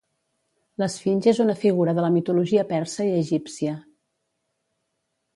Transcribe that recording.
L'esfinx és una figura de la mitologia persa i egípcia.